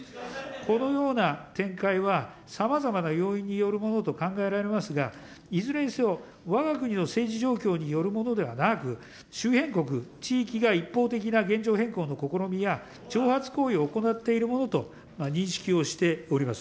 このような展開は、さまざまな要因によるものと考えられますが、いずれにせよ、わが国の政治状況によるものではなく、周辺国、地域が一方的な現状変更の試みや挑発行為を行っているものと認識をしております。